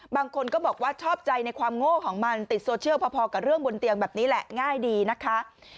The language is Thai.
บางคนก็บอกว่าชอบใจในความโง่ของมันติดโซเชียลพอกับเรื่องบนเตียงแบบนี้แหละง่ายดีนะคะ